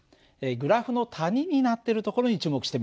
グラフの谷になってるところに注目してみるよ。